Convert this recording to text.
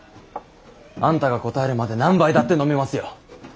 あんたが答えるまで何杯だって飲みますよ。